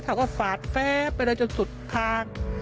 เขาก็ฝาดแฟ้ไปเลยจนสุดทาง